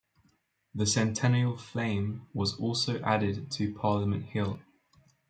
The Centennial Flame was also added to Parliament Hill.